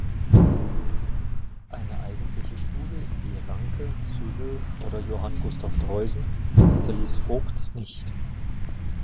Eine eigentliche Schule wie Ranke, Sybel oder Johann Gustav Droysen hinterließ Voigt nicht.